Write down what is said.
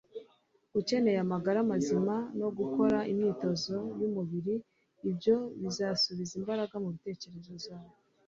ukeneye amagara mazima, no guhora ukora imyitozo y'umubiri. ibyo bizasubiza imbaraga mu ntekerezo zawe